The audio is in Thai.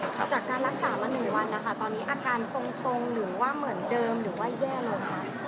จากการรักษามา๑วันนะคะตอนนี้อาการทรงหรือว่าเหมือนเดิมหรือว่าแย่ลงคะ